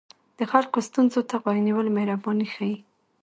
د خلکو ستونزو ته غوږ نیول مهرباني ښيي.